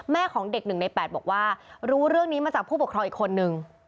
ของเด็ก๑ใน๘บอกว่ารู้เรื่องนี้มาจากผู้ปกครองอีกคนนึง